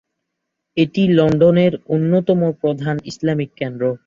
এটি লন্ডনের অন্যতম প্রধান ইসলামিক কেন্দ্র।